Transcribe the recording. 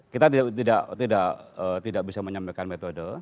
kita tidak bisa menyampaikan metode